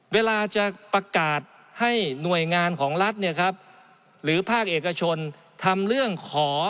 เวลาจะประกาศให้หน่วยงานของรัฐเนี่ยครับหรือภาคเอกชนทำเรื่องขอ